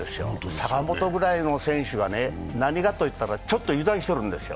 坂本ぐらいの選手が何かといったら、ちょっと油断しとるんですよ。